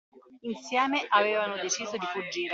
Insieme avevano deciso di fuggire.